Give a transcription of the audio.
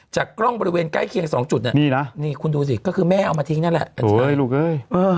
จากกล้องบริเวณใกล้เคียง๒จุดนี่นี่คุณดูสิก็คือแม่เอามาทิ้งนั่นแหละโอ๊ยลูกเอ้ย